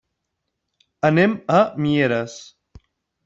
Anem a Mieres.